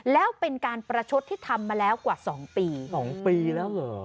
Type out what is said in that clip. แล้วเป็นการประชดที่ทำมาแล้วกว่า๒ปี๒ปีแล้วเหรอ